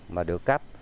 mà được cắp